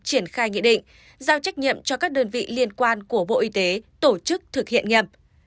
triển khai nghị định giao trách nhiệm cho các đơn vị liên quan của bộ y tế tổ chức thực hiện nhiệm